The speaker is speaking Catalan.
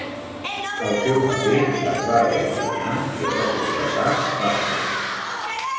El seu paper es va reassignar i el va completar Farrow.